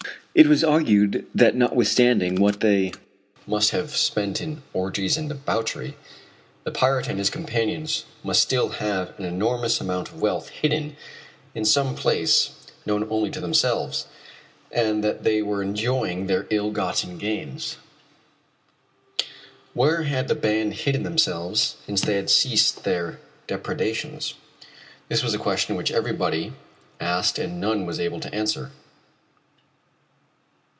It was argued that notwithstanding what they must have spent in orgies and debauchery the pirate and his companions must still have an enormous amount of wealth hidden in some place known only to themselves, and that they were enjoying their ill gotten gains. Where had the band hidden themselves since they had ceased their depredations? This was a question which everybody asked and none was able to answer.